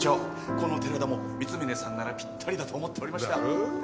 この寺田も光峯さんならピッタリだと思っておりましただろ？